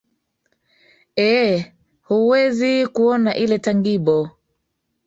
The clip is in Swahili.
ee huwezi huwezi kuona ile tangible